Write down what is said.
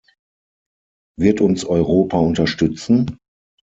Wird uns Europa unterstützen?